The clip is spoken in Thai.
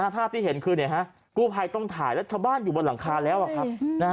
ภาพที่เห็นคือกู้ภัยต้องถ่ายแล้วชาวบ้านอยู่บนหลังคาแล้วครับ